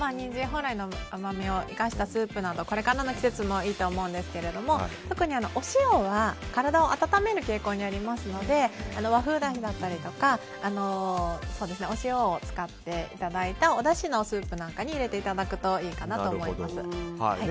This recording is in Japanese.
本来の甘みを生かしたスープなどこれからの季節などいいと思うんですけど特にお塩は体を温める傾向にありますので和風だしだったりお塩を使っていただいたおだしのスープなんかに入れていただくといいと思います。